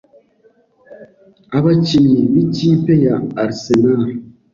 abakinnyi b'ikipe ya Arsenal